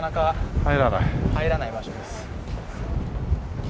入らない場所です。